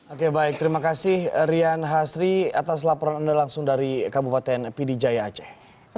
oke baik terima kasih rian hasri atas laporan anda langsung dari kabupaten pd jaya aceh